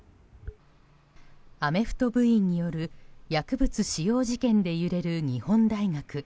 アメフト部員による薬物使用事件で揺れる日本大学。